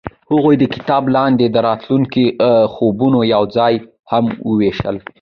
هغوی د کتاب لاندې د راتلونکي خوبونه یوځای هم وویشل.